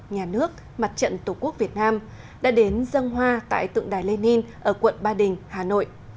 nhà nước mặt trận tổ quốc việt nam đã đến dân hoa tại tượng đài lenin ở quận ba đình hà nội